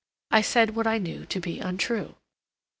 I said what I knew to be untrue."